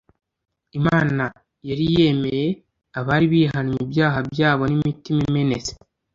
imana yari yemeye abari bihannye ibyaha byabo n'imitima imenetse